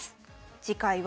次回は。